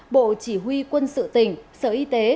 bộ chỉ huy quân sự tỉnh sở y tế